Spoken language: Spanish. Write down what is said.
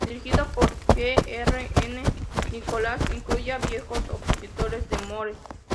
Dirigido por G. R. Nichols incluye a viejos opositores de Moore.